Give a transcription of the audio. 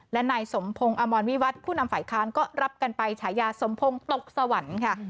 และนายสมพงศ์อมรวิวัตรผู้นำฝ่ายค้านก็รับกันไปฉายาสมพงศ์ตกสวรรค์ค่ะ